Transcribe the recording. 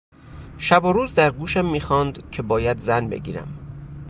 شب و روز در گوشم میخواند که باید زن بگیرم.